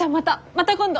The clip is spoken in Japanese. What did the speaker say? また今度！